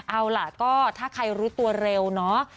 เอาล่ะก็ถ้าใครรู้ตัวเร็วเนาะ